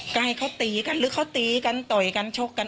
ก็ให้เขาตีกันหรือเขาตีกันต่อยกันชกกัน